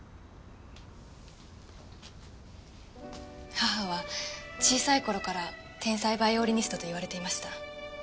母は小さい頃から天才バイオリニストと言われていました。